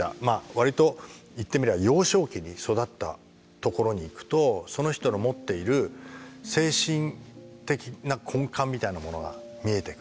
割と言ってみれば幼少期に育った所に行くとその人の持っている精神的な根幹みたいなものが見えてくる。